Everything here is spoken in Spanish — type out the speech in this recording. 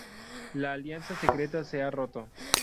La alianza secreta se ha roto.